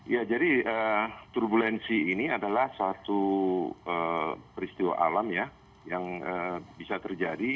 ya jadi turbulensi ini adalah satu peristiwa alam ya yang bisa terjadi